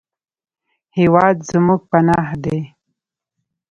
هېواد زموږ پناه دی